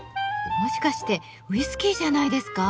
もしかしてウイスキーじゃないですか？